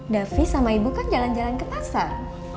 davi sama ibu kan jalan jalan ke pasar